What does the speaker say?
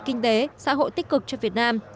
kinh tế xã hội tích cực cho việt nam